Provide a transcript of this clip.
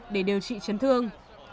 để điều trị chấn thương